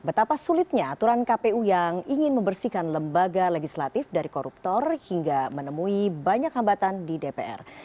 betapa sulitnya aturan kpu yang ingin membersihkan lembaga legislatif dari koruptor hingga menemui banyak hambatan di dpr